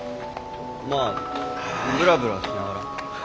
まあブラブラしながら。